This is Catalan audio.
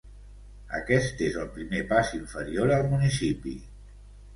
Aquest és el primer pas inferior al municipi.